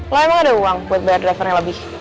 lah emang ada uang buat bayar driver yang lebih